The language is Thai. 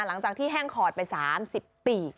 หลังจากที่แห้งขอดไป๓๐ปี